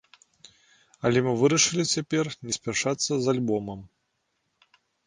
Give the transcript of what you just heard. Але мы вырашылі цяпер не спяшацца з альбомам.